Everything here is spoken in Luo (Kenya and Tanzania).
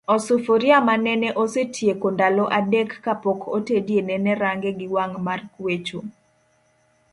Osufuria manene osetieko ndalo adek kapok otedie nene range gi wang' mar kwecho.